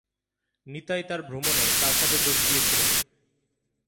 নিতাই তাঁর ভ্রমণে তাঁর সাথে যোগ দিয়েছিলেন।